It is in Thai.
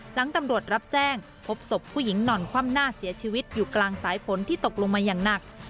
หลังตำรวจรับแจ้งพบศพผู้หญิงนอนคว่ำหน้าเสียชีวิตอยู่กลางสายฝนที่ตกลงมาอย่างหนัก